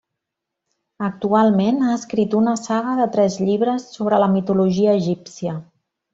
Actualment ha escrit una saga de tres llibres sobre la mitologia egípcia.